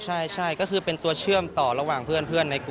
ใช่ครับใช่ก็คือเป็นตัวเชื่อมต่อระหว่างเพื่อนในกลุ่มแต่ละกลุ่ม